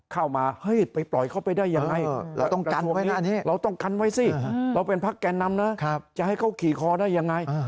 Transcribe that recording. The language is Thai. เข้ามาปล่อยเขาไปได้ยังไงเราต้องกันไว้สิเราเป็นภักดิ์แก่นำนะจะให้เขาขี่คอได้ยังไง